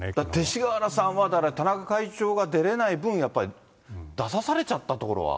勅使河原さんは、田中会長が出れない分、やっぱり、出さされちゃったところは。